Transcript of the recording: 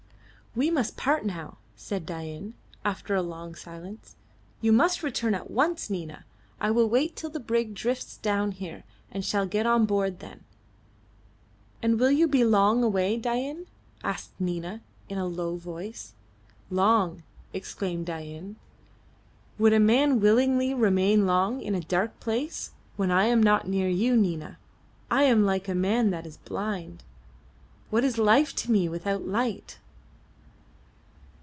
"We must part now," said Dain, after a long silence. "You must return at once, Nina. I will wait till the brig drifts down here, and shall get on board then." "And will you be long away, Dain?" asked Nina, in a low voice. "Long!" exclaimed Dain. "Would a man willingly remain long in a dark place? When I am not near you, Nina, I am like a man that is blind. What is life to me without light?"